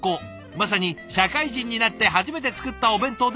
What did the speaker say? まさに社会人になって初めて作ったお弁当ですって。